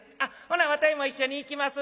『ほなわたいも一緒に行きます』